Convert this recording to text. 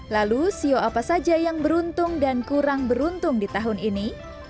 lalu sio apa saja yang beruntung dan kurang beruntung di tahun ini